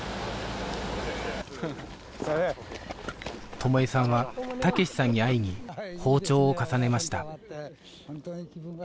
友枝さんは武志さんに会いに訪朝を重ねました